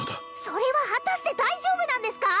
それは果たして大丈夫なんですか！？